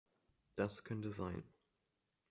Das könnte sein.